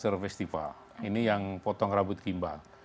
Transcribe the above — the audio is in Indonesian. dieng festival ini yang potong rambut kimbal